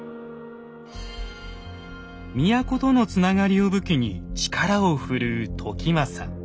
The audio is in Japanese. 都とのつながりを武器に力を振るう時政。